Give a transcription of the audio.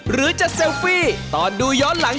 หรือจะเซลฟี่ตอนดูย้อนหลัง